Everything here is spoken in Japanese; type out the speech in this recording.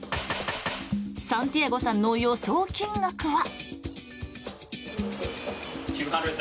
サンティアゴさんの予想金額は。